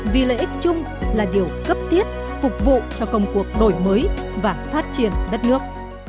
vì lợi ích chung là điều cấp thiết phục vụ cho công cuộc đổi mới và phát triển đất nước